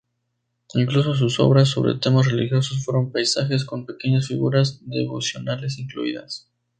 Incluso sus obras sobre temas religiosos fueron paisajes con pequeñas figuras devocionales incluidas.